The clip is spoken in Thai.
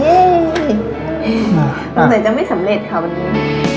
ไหนจะไม่สำเร็จค่ะวันนี้